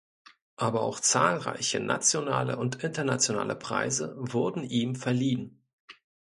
Aber auch zahlreiche nationale und internationale Preise wurden ihm verliehen.